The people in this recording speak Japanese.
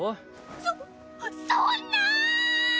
そそんな！